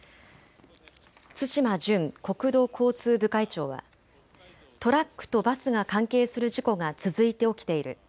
津島淳国土交通部会長はトラックとバスが関係する事故が続いて起きている。